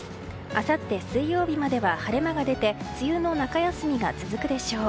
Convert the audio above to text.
あさって水曜日までは晴れ間が出て梅雨の中休みが続くでしょう。